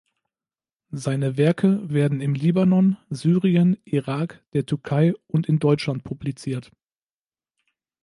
Seine Werke werden im Libanon, Syrien, Irak, der Türkei und in Deutschland publiziert.